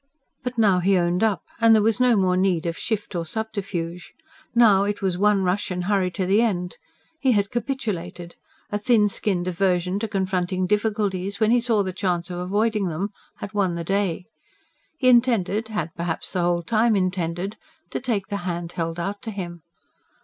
But now he owned up, and there was no more need of shift or subterfuge: now it was one rush and hurry to the end. He had capitulated; a thin skinned aversion to confronting difficulties, when he saw the chance of avoiding them, had won the day. He intended had perhaps the whole time intended to take the hand held out to him.